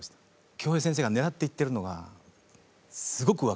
京平先生が狙っていってるのがすごく分かるので。